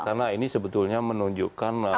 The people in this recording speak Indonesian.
karena ini sebetulnya menunjukkan posisi